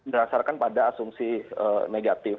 berdasarkan pada asumsi negatif